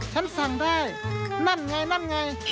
ฉันสั่งได้นั่นไง